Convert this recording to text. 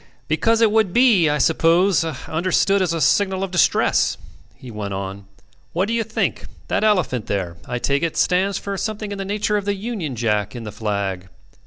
"Because it would be, I suppose, understood as a signal of distress," he went on. "What do you think? That elephant there, I take it, stands for something in the nature of the Union Jack in the flag.